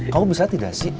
kamu bisa tidak sih